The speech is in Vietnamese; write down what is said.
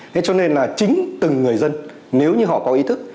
thế cho nên là chính từng người dân nếu như họ có ý thức